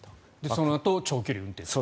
そのあと長距離運転すると。